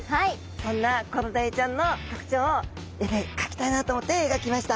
そんなコロダイちゃんの特徴を絵で描きたいなと思って描きました。